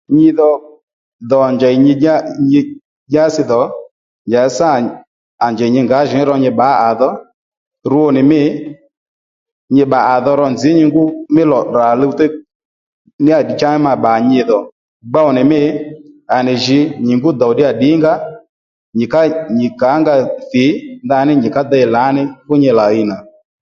Nyi dho dò njèy nyi dyá nyi dyási dhò njǎsâ nà à njèy nyi ngǎjìní ro nyi bbǎ à dho rwo nì mî nyi bbà à dho ro nzǐ nyi ngú mí lò tdrà luwtéy níyà cha ma bbà nyi dhò gbow nì mî à nì jǐ nyì ngú dòw ddíyà ddǐngǎ nyì ká nyì kǎnga thì ndaní nyì ká dey lǎní fú nyi lǎyì nà